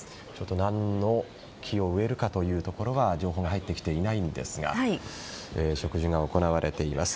何の木を植えるかというところは情報が入ってきていないんですが植樹が行われています。